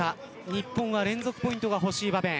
日本は連続ポイントがほしい場面。